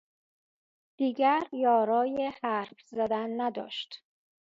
دیگر یارای حرف زدن نداشت